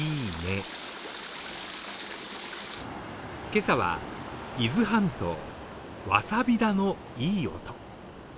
今朝は伊豆半島、わさび田のいい音。